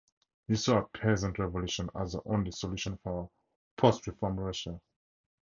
He saw a peasant revolution as the only solution for post-reform Russia.